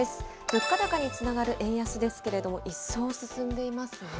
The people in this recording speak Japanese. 物価高につながる円安ですけれども、一層進んでいますね。